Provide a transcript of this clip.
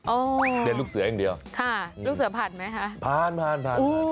โอ้ค่ะลูกเสือผ่านไหมฮะผ่าน